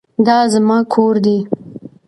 دا زما کور دی.